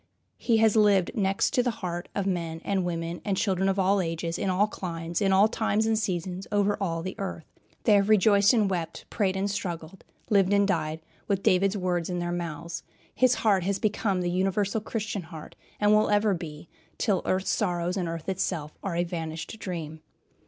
He has lived next to the heart of men, and women, and children, of all ages, in all climes, in all times and seasons, all over the earth. They have rejoiced and wept, prayed and struggled, lived and died, with David's words in their mouths. His heart has become the universal Christian heart, and will ever be, till earth's sorrows, and earth itself, are a vanished dream.